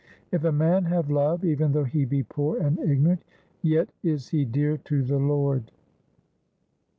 If a man have love, even though he be poor and ignorant, yet is he dear to the Lord.'